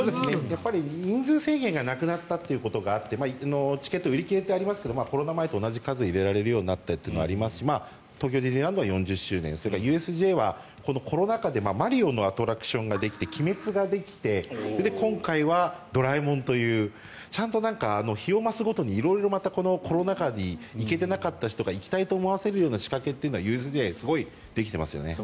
人数制限がなくなったということがあってチケット売り切れとありますけどコロナ前と同じ数が入れられるようになってというのがありますし東京ディズニーランドは４０周年それからＵＳＪはマリオのアトラクションができて「鬼滅」ができてそれで今回は「ドラえもん」という日を増すごとに色々、またコロナ禍に行けていなかった人が行きたいと思わせるような仕掛けというのがＵＳＪはすごくできてますよね。